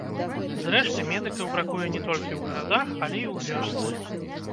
Зрэшты, медыкаў бракуе не толькі ў гарадах, але і ў вёсцы.